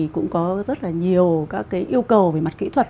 cũng có rất nhiều yêu cầu về mặt kỹ thuật